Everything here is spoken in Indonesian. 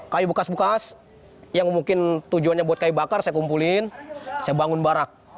kayu bekas bekas yang mungkin tujuannya buat kayu bakar saya kumpulin saya bangun barak